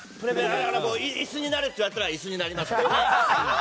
椅子になれって言われたら椅子になりますし。